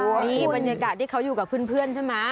นี่บรรยากาศที่เขาอยู่กับเพื่อนใช่ไหม